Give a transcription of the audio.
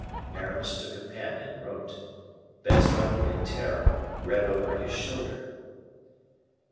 Aramis took a pen and wrote. Baisemeaux, in terror, read over his shoulder.